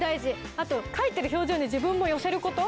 あと描いてる表情に自分も寄せること。